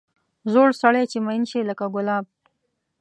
زوړ سړی چې مېن شي لکه ګلاب.